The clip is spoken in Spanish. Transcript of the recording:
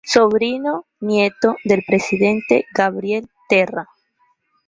Sobrino nieto del presidente Gabriel Terra.